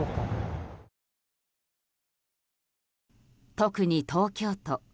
特に東京都。